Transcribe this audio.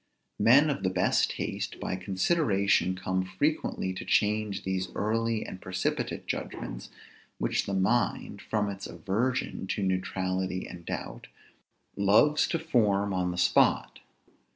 Men of the best taste by consideration come frequently to change these early and precipitate judgments, which the mind, from its aversion to neutrality and doubt, loves to form on the spot.